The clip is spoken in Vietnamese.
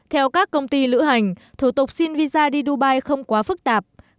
theo các công ty lữ hành thủ tục xin visa đi dubai không quá phức tạp